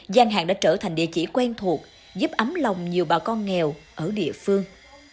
gian hàng đã trở thành địa chỉ quen thuộc giúp ấm lòng nhiều bà con nghèo ở địa phương